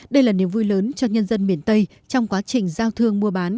đây là niềm vui lớn cho nhân dân miền tây trong quá trình giao thương mua bán